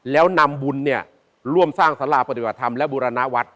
แล้วนำบุญเนี่ยร่วมสร้างสาราปฏิบัติธรรมและบูรณวัฒน